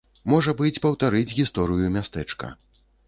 Можа быць, паўтарыць гісторыю мястэчка.